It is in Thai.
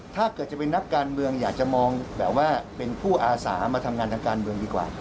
ถ้าเกิดจะเป็นนักการเมืองอยากจะมองแบบว่าเป็นผู้อาสามาทำงานทางการเมืองดีกว่า